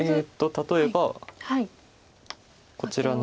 例えばこちらの。